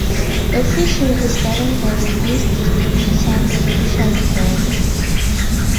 The fishing is governed by the Luce District Salmon Fishery Board.